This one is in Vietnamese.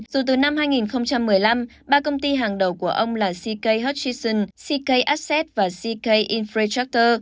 dù từ năm hai nghìn một mươi năm ba công ty hàng đầu của ông là ck hutchinson ck asset và ck infrastructure